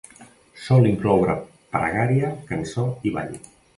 Sol incloure pregària, cançó i ball.